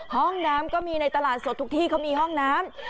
ห้องน้ำก็มีในตลาดสดทุกที่เขามีห้องน้ำ